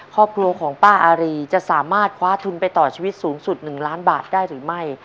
ครอบครัวของป้าอารีจะสามารถคว้าทุนไปต่อชีวิตสูงสุด๑ล้านบาทได้หรือไม่